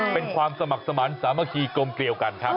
เป็นความสมัครสมาธิสามัคคีกลมเกลียวกันครับ